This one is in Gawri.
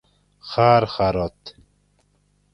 خارخارات